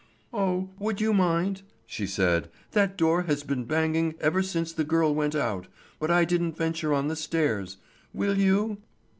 "Oh, would you mind?" she said. "That door has been banging ever since the girl went out, but I didn't venture on the stairs. Will you?"